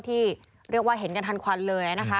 ที่เรียกว่าเห็นกันทันควันเลยนะคะ